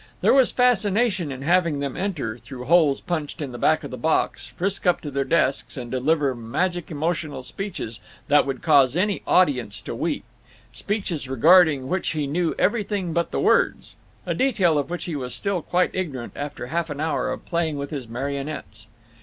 There was fascination in having them enter, through holes punched in the back of the box, frisk up to their desks and deliver magic emotional speeches that would cause any audience to weep; speeches regarding which he knew everything but the words; a detail of which he was still quite ignorant after half an hour of playing with his marionettes.